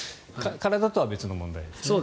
体とは別の問題ですね。